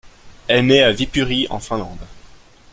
Elle naît à Viipuri en Finlande.